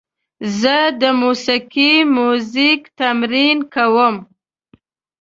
زه د موسیقۍ میوزیک تمرین کوم.